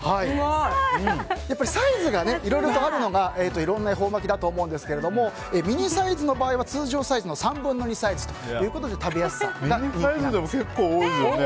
サイズがいろいろとあるのが恵方巻きだと思うんですけどミニサイズの場合、通常サイズの３分の２サイズということでミニサイズでも結構多い。